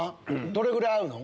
どれぐらい合うの？